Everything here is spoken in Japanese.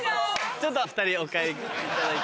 ちょっと２人お帰りいただいて。